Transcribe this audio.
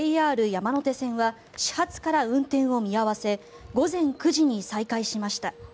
山手線は始発から運転を見合わせ午前９時に再開しました。